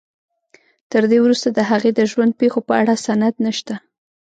تر دې وروسته د هغې د ژوند پېښو په اړه سند نشته.